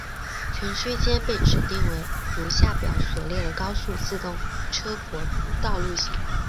全区间被指定为如下表所列的高速自动车国道路线。